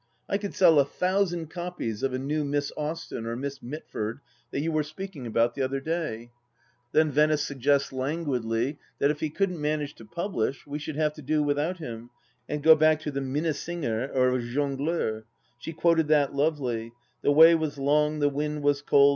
I could sell a thousand copies of a new Miss Austen or Miss Mitford that you were speaking about the other day 1 " Then Venice suggests languidly that if he couldn't manage to publish, we should have to do without him and go back to the Minnesinger or jongleur. She quoted that lovely :" The way was long, the wind was cold